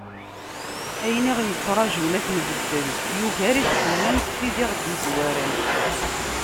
Ayen i aɣ-yettraǧun ad t-nbeddel, yugar i d-ḥellant tid i aɣ-d-yezwaren.